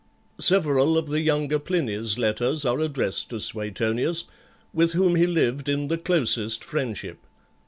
Several of the younger Pliny's letters are addressed to Suetonius, with whom he lived in the closest friendship.